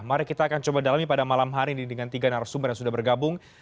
mari kita akan coba dalami pada malam hari ini dengan tiga narasumber yang sudah bergabung